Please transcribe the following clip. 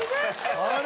あれ？